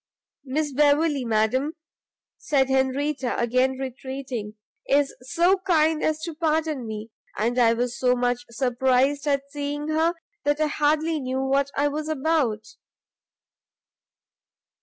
"Miss Beverley, madam," said Henrietta, again retreating, "is so kind as to pardon me, and I was so much surprised at seeing her, that I hardly knew what I was about."